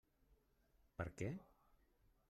Per què…?